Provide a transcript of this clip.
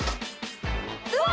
うわ！